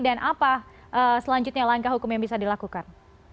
dan apa selanjutnya langkah hukum yang bisa dilakukan